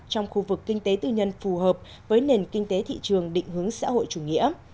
trong khu vực kinh tế tư nhân phù hợp với nền kinh tế thị trường định hướng xã hội chủ nghĩa